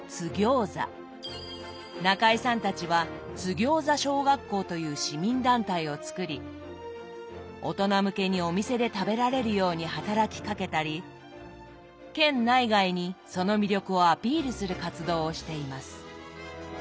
中井さんたちは津ぎょうざ小学校という市民団体を作り大人向けにお店で食べられるように働きかけたり県内外にその魅力をアピールする活動をしています。